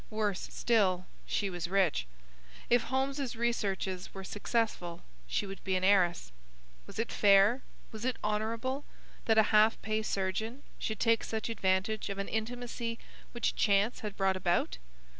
Worse still, she was rich. If Holmes's researches were successful, she would be an heiress. Was it fair, was it honourable, that a half pay surgeon should take such advantage of an intimacy which chance had brought about?